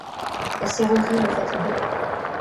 La serrurerie le fatigua.